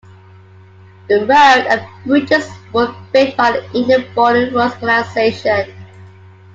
The road and bridges were built by the Indian Border Roads Organisation.